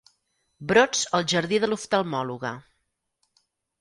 Brots al jardí de l'oftalmòloga.